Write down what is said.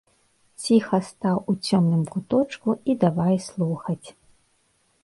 Ціха стаў у цёмным куточку і давай слухаць.